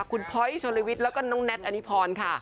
คุณพ้อยชนวิวิทย์แล้วก็น้องแนทอันนี้พรค่ะ